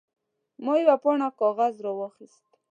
ما یوه پاڼه کاغذ راواخیست.